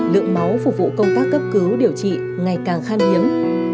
lượng máu phục vụ công tác cấp cứu điều trị ngày càng khan hiếm